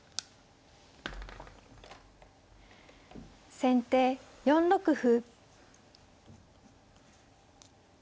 先手４六歩。